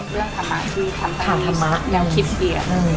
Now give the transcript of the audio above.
เรื่องธรรมะที่ทำตอนนี้ยังคิดเปลี่ยน